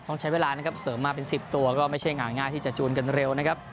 ต้องใช้เวลานะครับเสริมมาเป็น๑๐ตัวก็ไม่ใช่งานง่ายที่จะจูนกันเร็วนะครับ